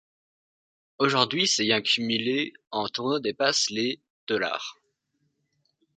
Aujourd'hui, ses gains cumulés en tournoi dépassent les $.